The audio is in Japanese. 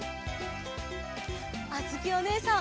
あづきおねえさん